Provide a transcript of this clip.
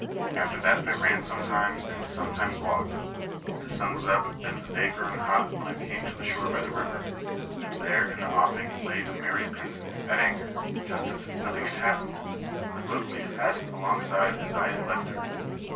After that I ran sometimes, and sometimes walked. The sun was up and the day growing hot when I came to the shore by the river; and there in the offing lay the Mary Pynsent at anchor, just as if nothing had happened, and the boat made fast alongside as I had left her.